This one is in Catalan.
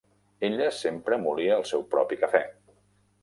Ella sempre molia el seu propi cafè.